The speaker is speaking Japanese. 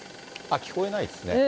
聞こえないですね。